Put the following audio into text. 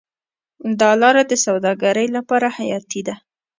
دا لاره د سوداګرۍ لپاره حیاتي ده.